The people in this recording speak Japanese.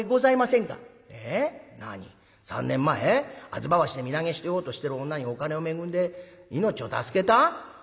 吾妻橋で身投げしようとしてる女にお金を恵んで命を助けた？